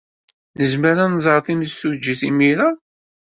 Nezmer ad nẓer timsujjit imir-a?